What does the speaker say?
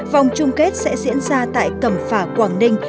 vòng chung kết sẽ diễn ra tại cẩm phả quảng ninh